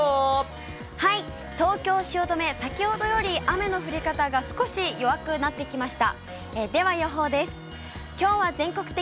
東京・汐留、先ほどより雨の降り方が少し弱くなってきました。